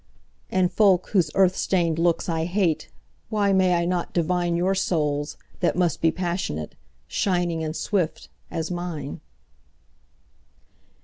And folk, whose earth stained looks I hate, Why may I not divineYour souls, that must be passionate, Shining and swift, as mine?